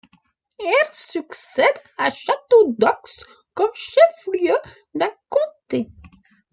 Elle succède à Château-d'Œx comme chef-lieu d'un comté.